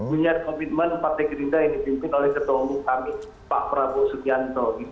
punya komitmen partai gerindra yang dipimpin oleh ketua umum kami pak prabowo subianto